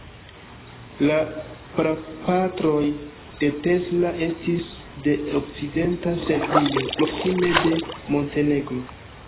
La prapatroj de Tesla estis de okcidenta Serbio, proksime de Montenegro.